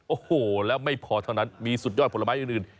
โอ้โหแล้วไม่พอเท่านั้นมีสุดยอดผลไม้อื่น